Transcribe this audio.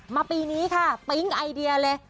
ปีนี้ค่ะปิ๊งไอเดียเลย